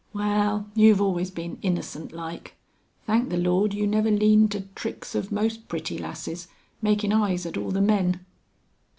"Wal, you've always been innocent like. Thank the Lord you never leaned to tricks of most pretty lasses, makin' eyes at all the men.